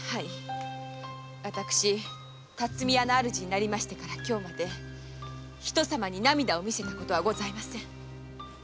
私辰巳屋の主になりましてから今日まで人様に涙を見せた事はございません。